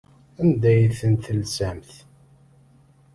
Anda ay ten-telsamt?